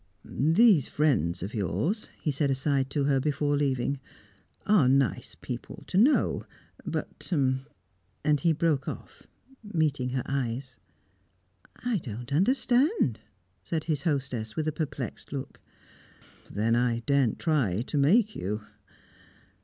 "These friends of yours," he said aside to her, before leaving, "are nice people to know. But " And he broke off, meeting her eyes. "I don't understand," said his hostess, with a perplexed look. "Then I daren't try to make you."